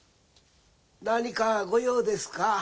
何かご用ですか？